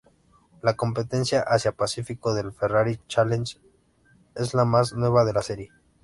La competencia Asia-Pacífico del Ferrari Challenge es la más nueva de la serie.